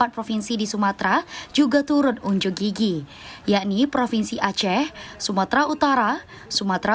empat provinsi di sumatera juga turut unjuk gigi yakni provinsi aceh sumatera utara sumatera